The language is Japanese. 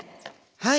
はい。